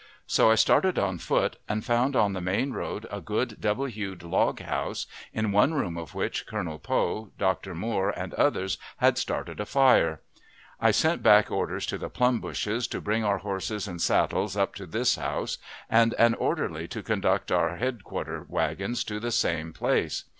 So I started on foot, and found on the main road a good double hewed log house, in one room of which Colonel Poe, Dr. Moore, and others, had started a fire. I sent back orders to the "plum bushes" to bring our horses and saddles up to this house, and an orderly to conduct our headquarter wagons to the same place.